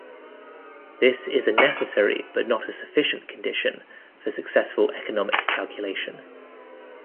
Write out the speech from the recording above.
This is a necessary but not a sufficient condition for successful economic calculation.